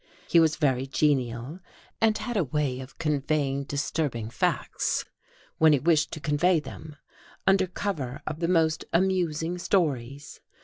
He was very genial, and had a way of conveying disturbing facts when he wished to convey them under cover of the most amusing stories.